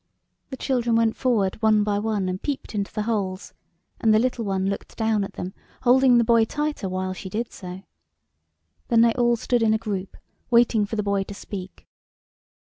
The children went forward one by one and peeped into the holes, and the little one looked down at them, holding the boy tighter while she did so. Then they all stood in a group waiting for the boy to speak.